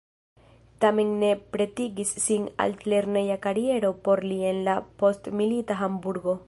Tamen ne pretigis sin altlerneja kariero por li en la postmilita Hamburgo.